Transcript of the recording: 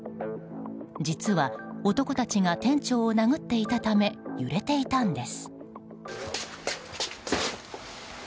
実は男たちが店長を殴っていたため揺れていたんです。